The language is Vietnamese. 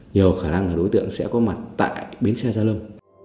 nhiều khả năng là đối tượng sẽ có mặt tại bến xe gia lâm